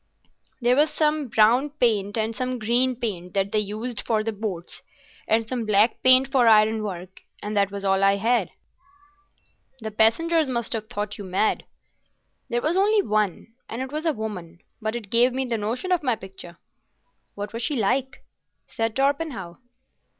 There was some brown paint and some green paint that they used for the boats, and some black paint for ironwork, and that was all I had." "The passengers must have thought you mad." "There was only one, and it was a woman; but it gave me the notion of my picture." "What was she like?" said Torpenhow.